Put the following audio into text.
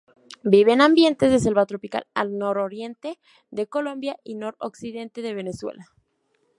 Vive en ambientes de selva tropical al nororiente de Colombia y noroccidente de Venezuela.